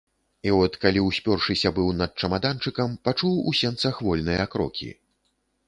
І от калі ўспёршыся быў над чамаданчыкам, пачуў у сенцах вольныя крокі.